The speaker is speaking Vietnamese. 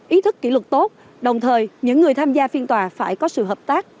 ý thức kỷ luật tốt đồng thời những người tham gia phiên tòa phải có sự hợp tác